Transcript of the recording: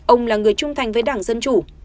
ông là người trung thành với đảng dân chủ